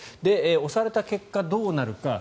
押された結果どうなるか。